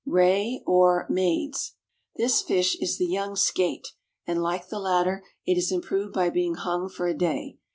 =Ray, or Maids.= This fish is the young skate, and, like the latter, it is improved by being hung for a day.